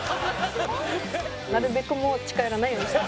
なるべくもう近寄らないようにしたい。